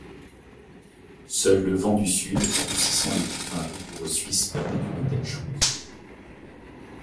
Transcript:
Seul le vent du Sud adoucissant le climat rigoureux Suisse permet une telle chose.